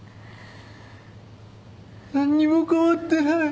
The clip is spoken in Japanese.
何にも変わってない。